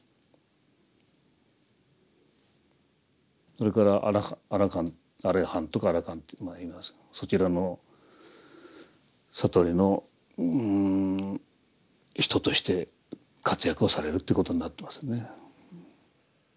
それから阿羅漢とか阿羅漢といいますがそちらの悟りの人として活躍をされるということになってますね。